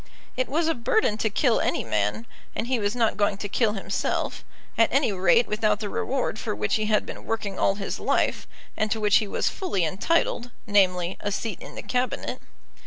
It was a burden to kill any man, and he was not going to kill himself, at any rate without the reward for which he had been working all his life, and to which he was fully entitled, namely, a seat in the Cabinet.